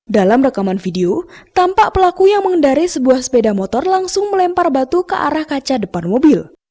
dalam rekaman video tampak pelaku yang mengendari sebuah sepeda motor langsung melempar batu ke arah kaca depan mobil